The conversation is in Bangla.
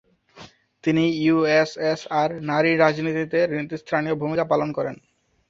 তিনি ইউএসএসআর নারী রাজনীতিতে নেতৃস্থানীয় ভূমিকা পালন করেন।